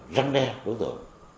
răn đe đối tượng